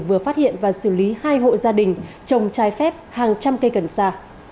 vừa phát hiện và xử lý hai hộ gia đình chồng trái phép hàng trăm cây cần xa